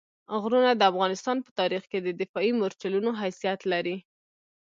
غرونه د افغانستان په تاریخ کې د دفاعي مورچلونو حیثیت لري.